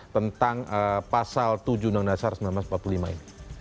tentang pasal tujuh undang undang dasar seribu sembilan ratus empat puluh lima ini